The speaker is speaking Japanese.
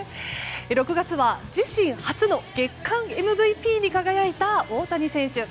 ６月は自身初の月間ＭＶＰに輝いた大谷選手。